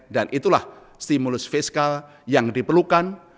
itulah stimulus fiskal yang diperlukan